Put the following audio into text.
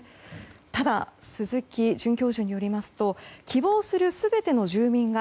ただ、鈴木准教授によりますと希望する全ての住民が